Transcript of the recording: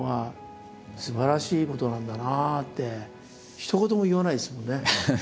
一言も言わないですもんね。